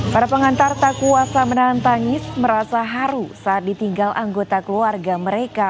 para pengantar tak kuasa menahan tangis merasa haru saat ditinggal anggota keluarga mereka